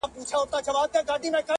عجيب ساز په سمندر کي را ايسار دی,